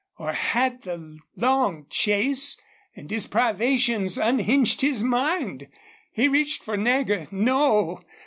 Or had the long chase and his privations unhinged his mind? He reached for Nagger. No!